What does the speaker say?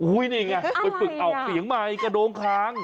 อู้ยนี่ไงกันปุ่นออกเสียงใหม่กระดงคาง